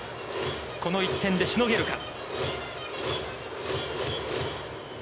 この１点でしのげるか。